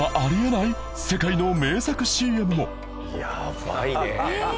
やばいね。